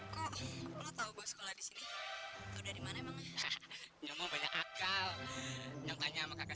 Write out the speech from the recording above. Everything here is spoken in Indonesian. kok lu tahu bahwa sekolah disini udah dimana emangnya banyak akal nyampernya sama kakak